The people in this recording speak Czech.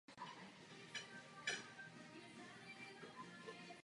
Obě tyto provozovny vybudovala obecně prospěšná společnost Labyrint Bohemia.